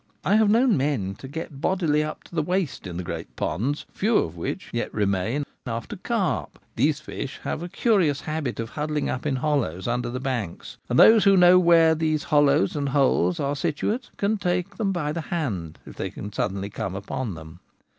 I have known men to get bodily up to the waist into the great ponds, a few of which yet remain, after carp. These fish have a curious habit of huddling up in hollows under the banks ; and those who know where these hollows and holes are situate can take them by hand if they can come suddenly upon them.